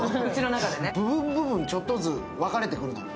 部分、部分、ちょっとずつ分かれてくるのよ。